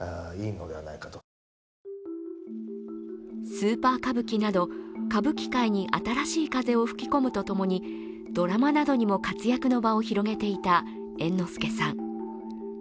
スーパー歌舞伎など、歌舞伎界に新しい風を吹き込むとともにドラマなどにも活躍の場を広げていた、猿之助さん。